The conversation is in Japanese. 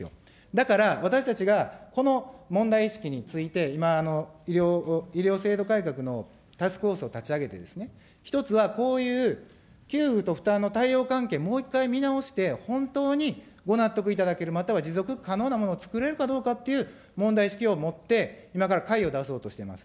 だから、私たちがこの問題意識について、今、医療制度改革のタスクフォースを立ち上げてですね、１つはこういう給付と負担のたいおう関係、もう一回見直して、本当にご納得いただける、または持続可能なものをつくれるかどうかっていう問題意識を持って、今から解を出そうとしてます。